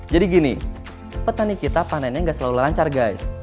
jadi gini petani kita panennya nggak selalu lancar guys